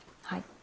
はい。